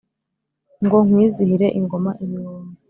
Ngo nkwizihire ingoma ibihumbi